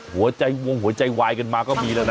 หัวใจวงหัวใจวายกันมาก็มีแล้วนะ